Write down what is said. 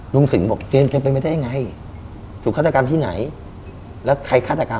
สิงห์บอกเจนเป็นไม่ได้ไงถูกฆาตกรรมที่ไหนแล้วใครฆาตกรรม